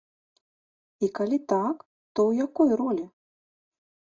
І калі так, то ў якой ролі?